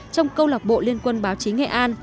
trong câu lạc bộ liên quân báo chí nghệ an